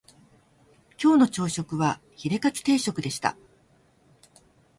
今日の朝食はヒレカツ定食でした